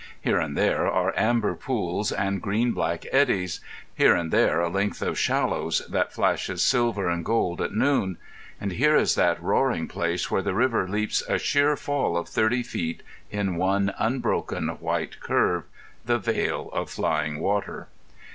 Here and there are amber pools and green black eddies; here and there a length of shallows that flashes silver and gold at noon; and here is that roaring place where the river leaps a sheer fall of thirty feet in one unbroken white curve—the Veil of Flying Water.